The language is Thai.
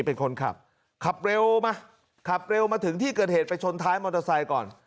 เป็นคนขับขับเร็วมาขับเร็วมาถึงที่เกิดเหตุไปชนท้ายมอเตอร์ไซค์ก่อน